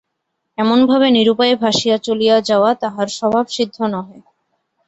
এমনভাবে নিরুপায় ভাসিয়া চলিয়া যাওয়া তাহার স্বভাবসিদ্ধ নহে।